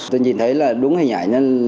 tôi nhìn thấy là đúng hình ảnh